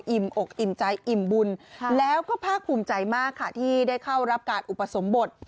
อกอิ่มใจอิ่มบุญแล้วก็ภาคภูมิใจมากค่ะที่ได้เข้ารับการอุปสมบท